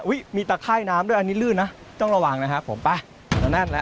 มีตะค่ายน้ำด้วยอันนี้ลื่นนะต้องระวังนะครับผมไปแน่นแล้ว